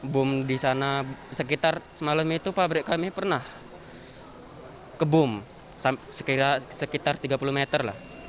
bom di sana sekitar semalam itu pabrik kami pernah kebom sekitar tiga puluh meter